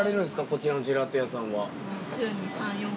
こちらのジェラート屋さんは。